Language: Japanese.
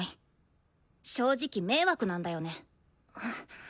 正直迷惑なんだよね。